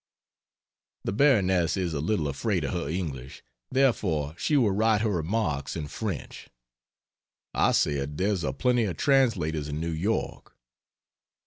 The Baroness is a little afraid of her English, therefore she will write her remarks in French I said there's a plenty of translators in New York.